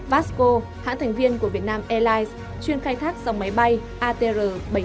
vasco hãng thành viên của việt nam airlines chuyên khai thác dòng máy bay atr bảy mươi hai